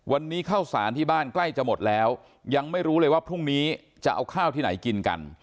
วันนี้ข้าวสารที่บ้านใกล้จะหมดแล้วยังไม่รู้เลยว่าพรุ่งนี้จะเอาข้าวที่ไหนกินกัน